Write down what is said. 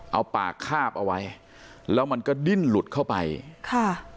เอาปากคาบเอาไว้แล้วมันก็ดิ้นหลุดเข้าไปค่ะ